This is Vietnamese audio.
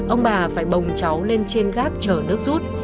ông bà phải bồng cháu lên trên gác chở nước rút